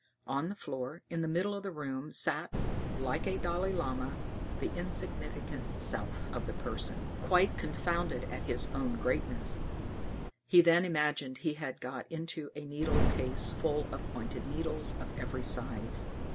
On the floor, in the middle of the room, sat, like a Dalai Lama, the insignificant "Self" of the person, quite confounded at his own greatness. He then imagined he had got into a needle case full of pointed needles of every size.